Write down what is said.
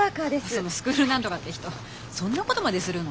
そのスクール何とかって人そんなことまでするの？